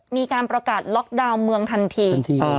มีการประกาศล็อกดาวน์เมืองทันที